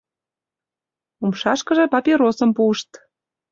Умшашкыже папиросым пуышт.